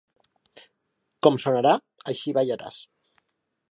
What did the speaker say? Com sonarà, així ballaràs!